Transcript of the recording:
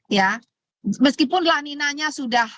ya meskipun laninanya sudah